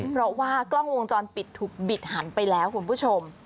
เพราะว่ากล้องวงจรปิดถูกบิดหันไปแล้วคุณผู้ชม